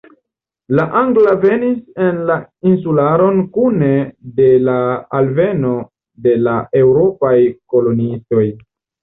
La angla venis en la insularon kune de la alveno de la eŭropaj koloniistoj.